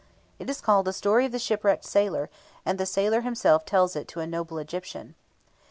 It is called "The Story of the Shipwrecked Sailor," and the sailor himself tells it to a noble Egyptian.